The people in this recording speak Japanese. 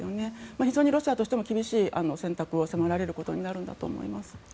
非常にロシアとしても厳しい選択を迫られることになるんだと思います。